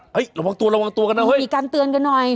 ระวังตัวระวังตัวกันนะเฮ้ยมีการเตือนกันหน่อย